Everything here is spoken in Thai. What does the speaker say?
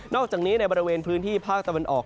อกจากนี้ในบริเวณพื้นที่ภาคตะวันออก